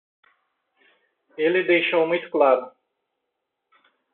Ele deixou muito claro